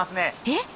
えっ？